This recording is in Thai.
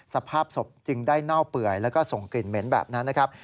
สภาพศพจึงได้เน่าเปื่อยแล้วก็ส่งกลิ่นเหม็นแบบนั้นนะครับ